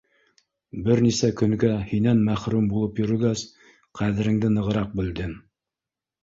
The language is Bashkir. Бер нисә көнгә һинән мәхрүм булып йөрөгәс, ҡәҙереңде нығыраҡ белдем.